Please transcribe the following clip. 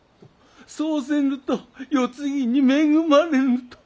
そうせぬと世継ぎに恵まれんと！